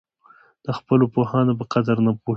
د خپلو پوهانو په قدر نه پوهېږي.